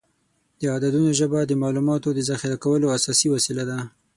د عددونو ژبه د معلوماتو د ذخیره کولو اساسي وسیله ده.